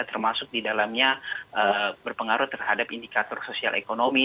termasuk di dalamnya berpengaruh terhadap indikator sosial ekonomi